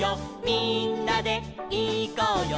みんなでいこうよ」